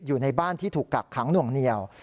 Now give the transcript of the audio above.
อยู่ในบ้านที่ถูกกักขังหน่วงเหนียว